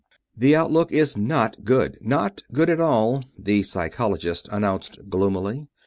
"The outlook is not good: not good at all," the Psychologist announced, gloomily.